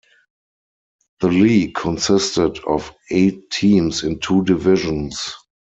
The league consisted of eight teams in two divisions.